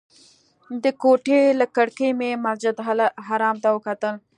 د کوټې له کړکۍ مې مسجدالحرام ته وکتل.